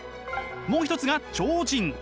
もう一つが超人。